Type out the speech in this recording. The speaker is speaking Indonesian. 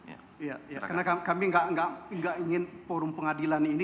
ya karena kami gak ingin forum pengadilan ini